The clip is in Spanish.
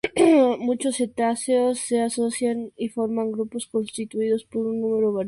Muchos cetáceos se asocian y forman grupos constituidos por un número variable de individuos.